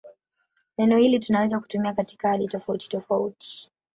Neno hili tunaweza kutumia katika hali tofautitofauti.